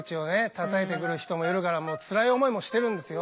たたいてくる人もいるからもうつらい思いもしてるんですよ。